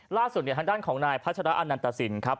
ล่าสุดทางด้านของนายพัชระอนันตสินครับ